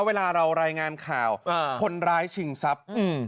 เวลาเรารายงานข่าวคนร้ายชิงทรัพย์